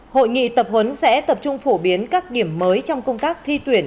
hội nghị tập huấn sẽ tập trung phổ biến các điểm mới trong công tác thi tuyển